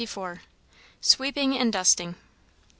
Sweeping and dusting.